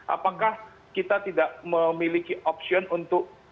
apakah kita tidak memiliki opsiun untuk